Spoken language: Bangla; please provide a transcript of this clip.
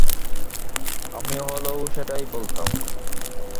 আমি হলেও সেটাই বলতাম।